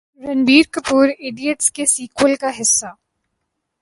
Ranbir Kapoor idiots کے sequel کا حصہ